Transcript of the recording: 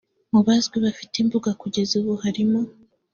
Mu Bazwi bafite imbuga kugeza ubu harimo